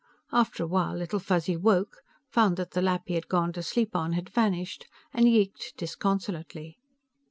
After a while, Little Fuzzy woke, found that the lap he had gone to sleep on had vanished, and yeeked disconsolately.